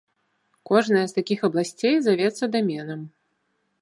Кожная з такіх абласцей завецца даменам.